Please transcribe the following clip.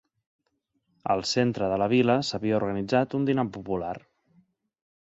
Al centre de la vila s’havia organitzat un dinar popular.